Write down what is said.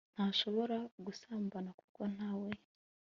ntashobora gusambana kuko nta we